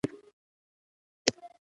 طالباني الهیات رامنځته کړي دي.